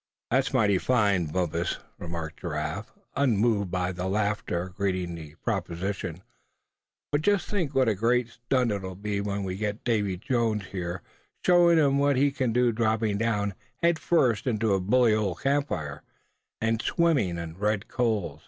"That sounds mighty fine, Bumpus," remarked Giraffe, unmoved by the laughter greeting the proposition; "but just think what a great stunt it'll be when we get Davy Jones here showing 'em what he c'n do dropping down head first into a bully old camp fire, and swimmin' in red coals.